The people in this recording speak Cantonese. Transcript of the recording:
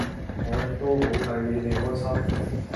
我亦都好替你地開心